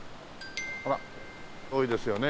ほら多いですよね